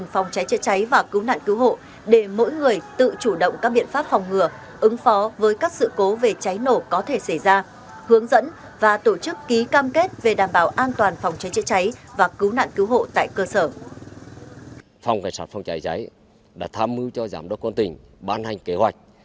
phòng cảnh sát phòng cháy cháy đã tham mưu cho giám đốc quân tỉnh ban hành kế hoạch